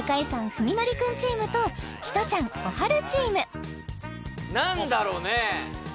史記君チームとひとちゃんおはるチーム何だろうね？